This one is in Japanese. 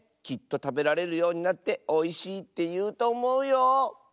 きっとたべられるようになっておいしいっていうとおもうよ。